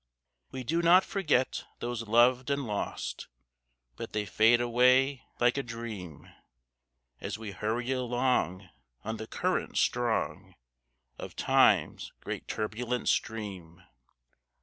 We do not forget those loved and lost, But they fade away like a dream: As we hurry along on the current strong Of Time's great turbulent stream.